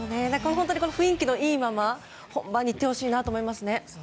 本当に雰囲気のいいまま本番にいってほしいですね。